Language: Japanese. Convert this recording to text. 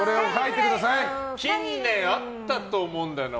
近年会ったと思うんだよな。